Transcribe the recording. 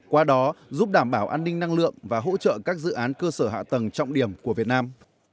qua đó giúp đảm bảo an ninh năng lượng và hỗ trợ các dự án cơ sở hạ tầng trọng điểm của việt nam